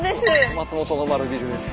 松本の丸ビルです。